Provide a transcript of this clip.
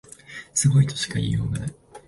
すごいとしか言いようがない